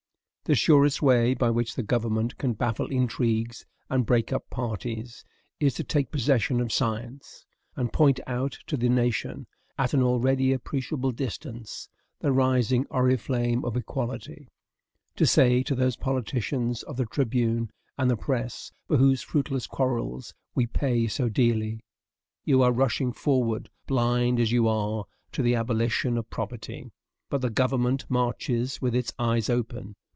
The surest way by which the government can baffle intrigues and break up parties is to take possession of science, and point out to the nation, at an already appreciable distance, the rising oriflamme of equality; to say to those politicians of the tribune and the press, for whose fruitless quarrels we pay so dearly, "You are rushing forward, blind as you are, to the abolition of property; but the government marches with its eyes open.